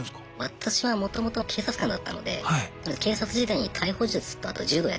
私はもともと警察官だったので警察時代に逮捕術とあと柔道やってましたね。